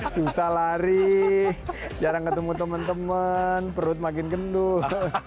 susah lari jarang ketemu teman teman perut makin genduh